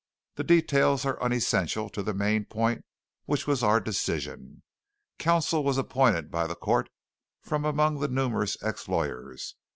The details are unessential to the main point, which was our decision. Counsel was appointed by the court from among the numerous ex lawyers.